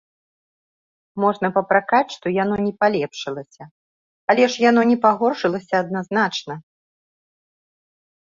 Можна папракаць, што яно не палепшылася, але ж яно не пагоршылася адназначна!